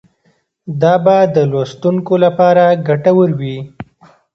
دا به د لوستونکو لپاره ګټور وي.